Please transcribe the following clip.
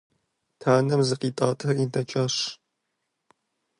Танэм зыкъитӀатэри дэкӀащ.